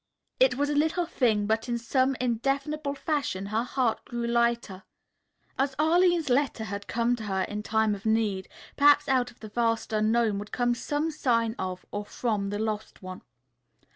It was a little thing, but in some indefinable fashion her heart grew lighter. As Arline's letter had come to her in time of need, perhaps out of the vast unknown would come some sign of or from the lost one.